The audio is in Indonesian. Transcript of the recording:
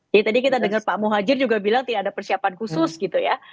jadi tadi kita dengar pak mohajir juga bilang tidak ada persiapan khusus gitu ya